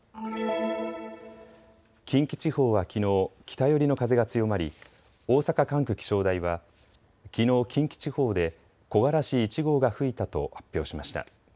近畿地方はきのう、北寄りの風が強まり大阪管区気象台はきのう近畿地方で木枯らし１号が吹いたと発表しました。